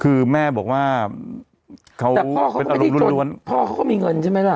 คือแม่บอกว่าแต่พ่อเขาก็ไม่ได้จนพ่อเขาก็มีเงินใช่ไหมล่ะ